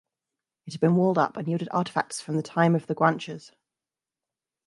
It had been walled up and yielded artefacts from the time of the Guanches.